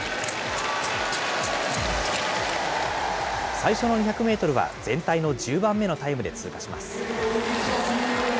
最初の２００メートルは、全体の１０番目のタイムで通過します。